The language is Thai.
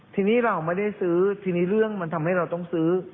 ทีนี้เราไม่ได้ซื้อทีนี้เรื่องมันทำให้เราต้องซื้อ